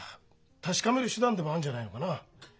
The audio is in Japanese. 確かめる手段でもあるんじゃないのかな？